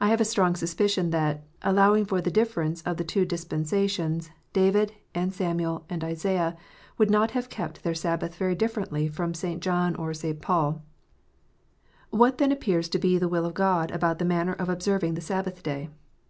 I have a strong suspicion that, allowing for the difference of the two dispensations, David, and Samuel, and Isaiah would not have kept their Sabbath very differently from St. John and St. Paul. What then appears to be the will of God about the manner of observing the Sabbath Day?